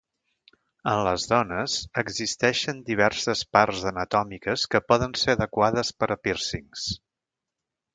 En les dones existeixen diverses parts anatòmiques que poden ser adequades per a pírcings.